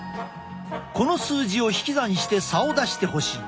この数字を引き算して差を出してほしい。